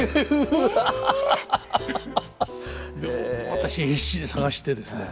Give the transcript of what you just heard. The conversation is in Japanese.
私必死に探してですね